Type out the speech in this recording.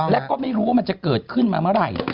แล้วก็ไม่รู้ว่ามันจะเกิดขึ้นมาเมื่อไหร่